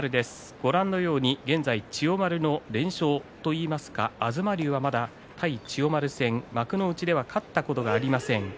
ご覧のように現在千代丸の連勝といいますか東龍はまだ対千代丸戦幕内で勝ったことがありません。